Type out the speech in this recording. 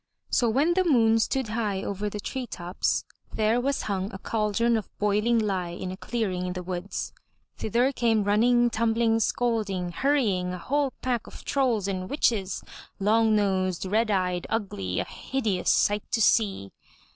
So when the moon stood high over the tree tops, there was hung a caldron of boiling lye in a clearing in the woods. Thither came running, tumbling, scolding, hurrying a whole pack of trolls and witches, long nosed, red eyed, ugly, a hideous sight to see.